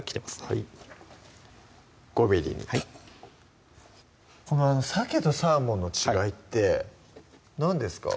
はい５ｍｍにはいこのさけとサーモンの違いって何ですか？